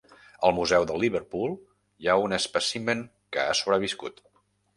Al Museu de Liverpool hi ha un espècimen que ha sobreviscut.